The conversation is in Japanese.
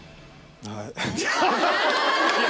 はい。